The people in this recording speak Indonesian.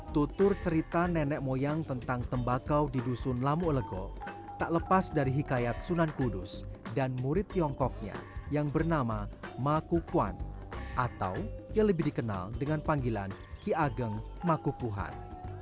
tutur cerita nenek moyang tentang tembakau di dusun lamu lego tak lepas dari hikayat sunan kudus dan murid tiongkoknya yang bernama makukuan atau yang lebih dikenal dengan panggilan ki ageng makukuhan